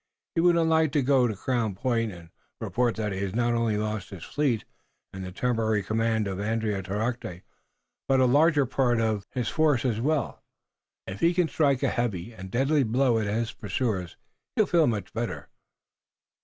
He will not like to go to Crown Point, and report that he has not only lost his fleet and the temporary command of Andiatarocte, but a large part of his force as well. If he can strike a heavy and deadly blow at his pursuers he will feel much better."